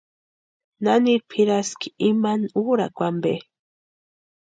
¿Naniri pʼiraski imani úrakwa ampe?